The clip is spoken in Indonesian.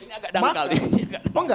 ini agak dangkal